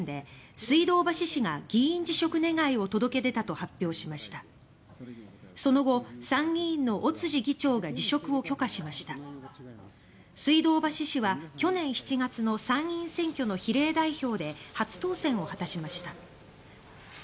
水道橋氏は、去年７月の参議院選挙の比例代表で初当選を果たしました。